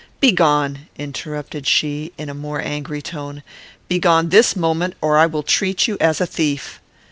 "Begone!" interrupted she, in a more angry tone. "Begone this moment, or I will treat you as a thief."